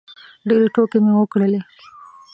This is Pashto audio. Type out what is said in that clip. ډېرې ټوکې مو وکړلې